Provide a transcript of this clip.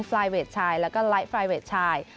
ไฟล์เวทชายแล้วก็ไลท์ไฟล์เวทชาย